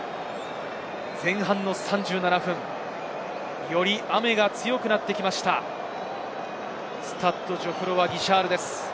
前半３７分。より雨が強くなってきましたスタッド・ジェフロワ・ギシャールです。